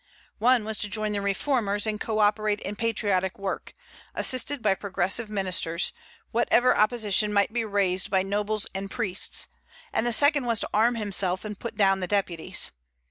One was to join the reformers and co operate in patriotic work, assisted by progressive ministers, whatever opposition might be raised by nobles and priests; and the second was to arm himself and put down the deputies.